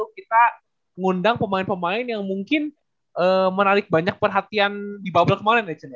kita ngundang pemain pemain yang mungkin menarik banyak perhatian di bubble kemarin vincent ya